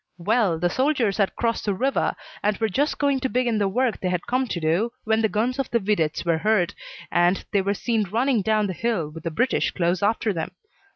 "Well, the soldiers had crossed the river and were just going to begin the work they had come to do, when the guns of the videttes were heard, and they were seen running down the hill with the British close after them.